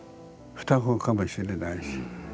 双子かもしれないし。